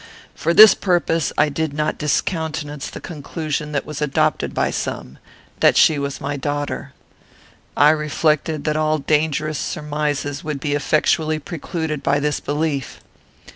For this purpose I did not discountenance the conclusion that was adopted by some, that she was my daughter. I reflected that all dangerous surmises would be effectually precluded by this belief.